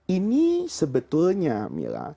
ini sebetulnya milla